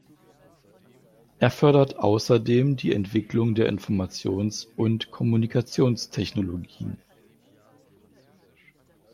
Er fördert außerdem die Entwicklung der Informations- und Kommunikationstechnologien.